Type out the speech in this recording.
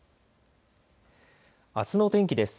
あすの天気です。